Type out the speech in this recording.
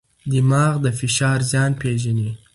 دماغ د فشار زیان پېژني.